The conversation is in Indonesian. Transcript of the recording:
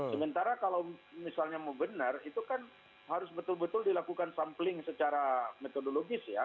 sementara kalau misalnya mau benar itu kan harus betul betul dilakukan sampling secara metodologis ya